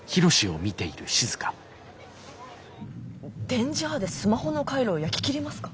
電磁波でスマホの回路を焼き切りますか？